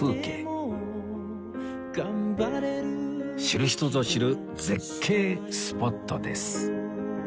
知る人ぞ知る絶景スポットです